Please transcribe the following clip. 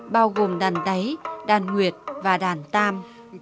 bao gồm đàn đáy đàn nguyệt và đàn tam